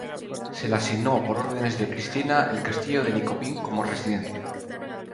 Se le asignó, por órdenes de Cristina, el castillo de Nyköping como residencia.